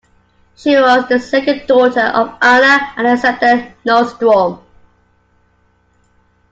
She was the second daughter of Anna and Alexander Nordstrom.